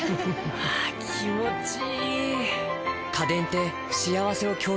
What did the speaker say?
あ気持ちいい！